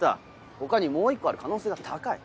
他にもう１個ある可能性が高い。